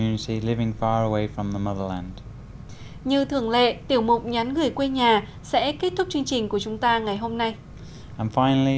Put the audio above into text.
như thường lệ tiểu mục nhắn gửi quê nhà sẽ kết thúc chương trình của chúng ta ngày hôm nay